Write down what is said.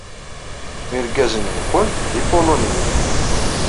Irgazen-nwent d ipuluniyen.